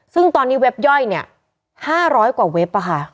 ซึ่งตอนนี้เว็บย่อยเนี้ยห้าร้อยกว่าเว็บอ่ะค่ะ